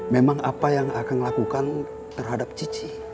memang apa yang akan lakukan terhadap cici